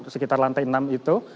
sekitar lantai enam itu